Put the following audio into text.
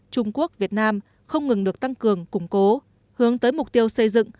trung quốc việt nam không ngừng được tăng cường củng cố hướng tới mục tiêu xây dựng